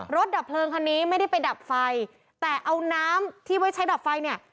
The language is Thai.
ดับเพลิงคันนี้ไม่ได้ไปดับไฟแต่เอาน้ำที่ไว้ใช้ดับไฟเนี่ย